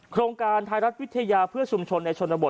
โครงการไทยรัฐวิทยาเพื่อชุมชนในชนบท